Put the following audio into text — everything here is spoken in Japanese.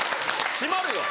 締まるよ。